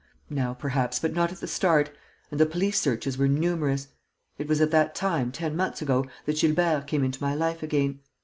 "Now perhaps, but not at the start; and the police searches were numerous. It was at that time, ten months ago, that Gilbert came into my life again.